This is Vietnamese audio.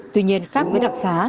tuy nhiên khác với đặc xá